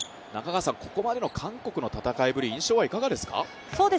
ここまでの韓国の戦いぶり、印象はいかがですか？